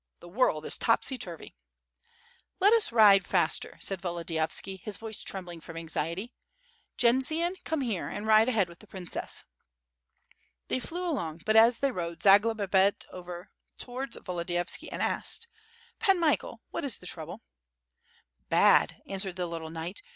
The world is topsy turvy." "Let us ride faster," said Volodiyovski, his voice trembling from^ anxiety, "Jendzian, come here, and ride ahead*with the princess." They flew along; but as they rode Zagloba bent over to wards Volodiyovski, and asked: "Pan Michael, what is the trouble?" "Bad!" answered the little knight.